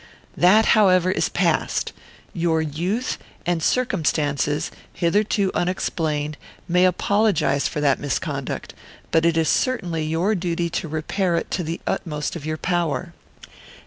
That, however, is past. Your youth, and circumstances, hitherto unexplained, may apologize for that misconduct; but it is certainly your duty to repair it to the utmost of your power.